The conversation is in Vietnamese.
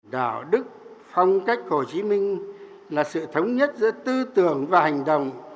đạo đức phong cách hồ chí minh là sự thống nhất giữa tư tưởng và hành động